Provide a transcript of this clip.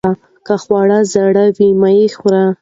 که خواړه زوړ وي مه یې خورئ.